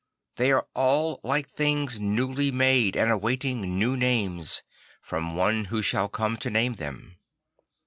They are all like things newly made and awaiting new names, from one who shall come to name them.